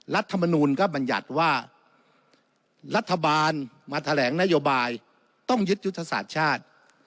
รัฐบาลมาแถลงนโยบายต้องยึดยุทธศาสตร์ชาติ